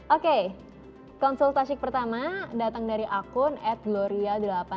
oke konsultasi pertama datang dari akun at gloria delapan puluh